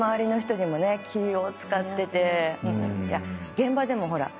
現場でもほらねえ。